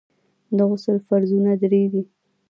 د غسل فرضونه درې دي.